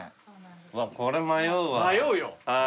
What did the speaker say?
うわこれ迷うわ。